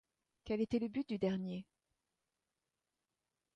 Quel était le but du dernier?